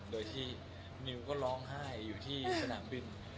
โดยที่นิวก็ร้องไห้อยู่ที่สนามบิน